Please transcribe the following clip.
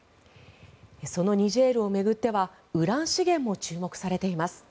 そのニジェールを巡ってはウラン資源も注目されています。